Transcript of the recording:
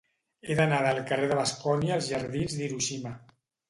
He d'anar del carrer de Bascònia als jardins d'Hiroshima.